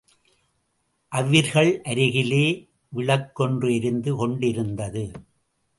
அவிர்கள் அருகிலே விளக்கொன்று எரிந்து கொண்டிருந்தது.